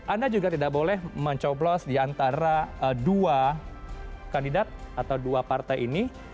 anda juga tidak boleh mencoblos di antara dua kandidat atau dua partai ini